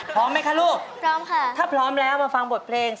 พร้อมไหมคะลูกพร้อมค่ะถ้าพร้อมแล้วมาฟังบทเพลง